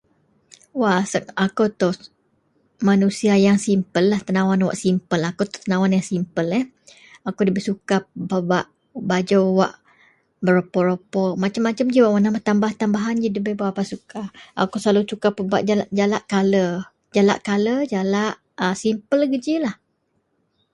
Wak asek akou tou, manusia yang simpellah, tenawan wak simpel eh, akou itou tenawan wak simpel eh. Akou ndabei suka pebak bajou wak poro-poropol, masem-masem ji warena betambah-tambahan, nda bei berapa suka. Akou selalu suka pebak jalak kala, jalak kala, jalak a simpel gejilah